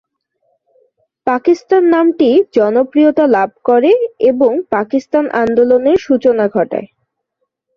পাকিস্তান নামটি জনপ্রিয়তা লাভ করে এবং পাকিস্তান আন্দোলনের সূচনা ঘটায়।